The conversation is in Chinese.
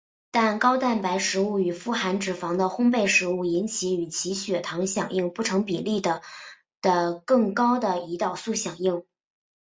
但高蛋白食物与富含脂肪的烘培食物引起与其血糖响应不成比例的的更高的胰岛素响应。